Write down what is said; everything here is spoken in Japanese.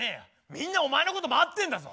みんなお前のこと待ってんだぞ！